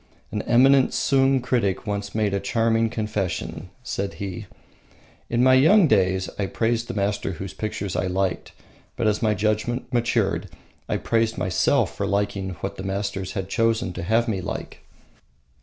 An eminent Sung critic once made a charming confession. Said he: "In my young days I praised the master whose pictures I liked, but as my judgement matured I praised myself for liking what the masters had chosen to have me like."